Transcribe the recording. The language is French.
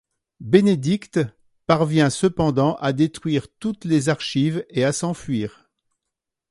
Bénédite parvient cependant à détruire toutes les archives et à s'enfuir.